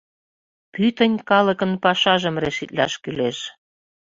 Пӱтынь калыкын пашажым решитлаш кӱлеш!